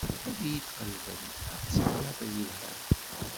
Ad iyi-d-qelben apsikyaṭr yelhan.